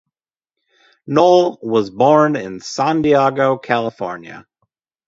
Noll was born in San Diego, California.